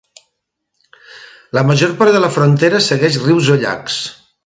La major part de la frontera segueix rius o llacs.